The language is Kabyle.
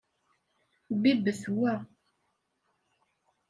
Bibbet wa.